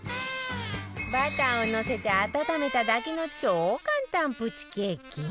バターをのせて温めただけの超簡単プチケーキ